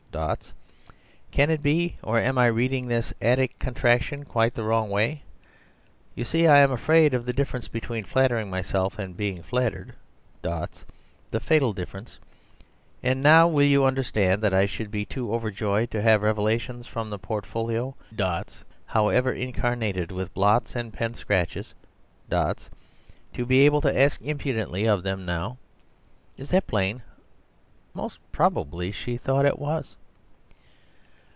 ... Can it be? or am I reading this 'Attic contraction' quite the wrong way. You see I am afraid of the difference between flattering myself and being flattered ... the fatal difference. And now will you understand that I should be too overjoyed to have revelations from the Portfolio ... however incarnated with blots and pen scratches ... to be able to ask impudently of them now? Is that plain?" Most probably she thought it was.